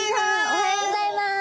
おはようございます。